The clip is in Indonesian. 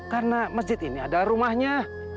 karena masjid ini adalah rumahnya